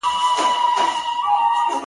موږ یې په لمبه کي د زړه زور وینو!!